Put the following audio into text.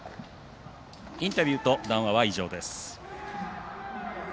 インタビューと談話は以上です。